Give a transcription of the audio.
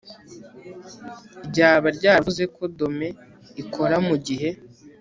ryaba ryaravuze ko dome ikora mu gihe